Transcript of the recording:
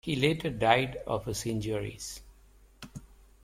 He later died of his injuries.